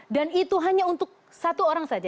dan itu hanya untuk satu orang saja